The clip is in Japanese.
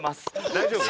大丈夫？